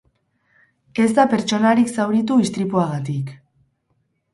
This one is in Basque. Ez da pertsonarik zauritu istripuagatik.